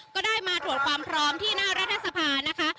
ก็ได้มาตรวจความพร้อมที่หน้ารัฐสภานะคะ